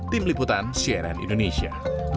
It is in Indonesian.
tim liputan cnn indonesia